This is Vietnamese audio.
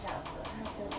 đoạn trở đẹp lại nữ